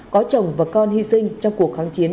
có chồng và con hy sinh trong cuộc kháng chiến